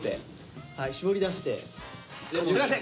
すいません！